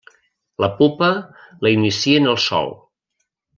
La pupa la inicien al sòl.